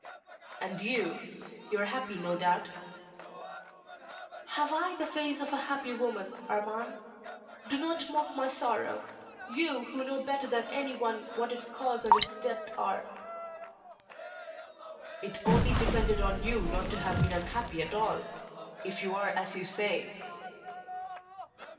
"And you. You are happy, no doubt?" "Have I the face of a happy woman, Armand? Do not mock my sorrow, you, who know better than anyone what its cause and its depth are." "It only depended on you not to have been unhappy at all, if you are as you say."